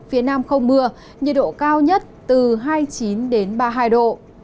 phía nam không mưa nhiệt độ cao nhất từ hai mươi chín đến ba mươi hai độ